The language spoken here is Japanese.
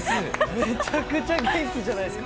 めちゃくちゃ元気じゃないですか。